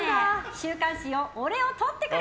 週刊誌よ俺を撮ってくれ！